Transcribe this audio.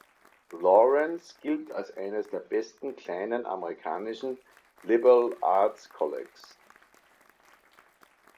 Lawrence gilt als eines der besten kleinen amerikanischen „liberal arts colleges“.